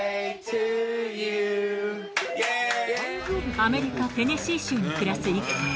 アメリカテネシー州に暮らす一家。